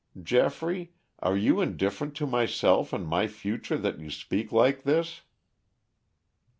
Geoffrey, are you indifferent to myself and my future that you speak like this?"